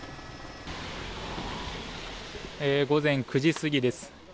午前９時過ぎです。